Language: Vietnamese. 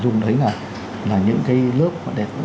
dung đấy là là những cái lớp đẹp